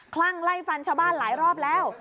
คลั่งไล่ฟันชาวบ้านหลายรอบแล้ว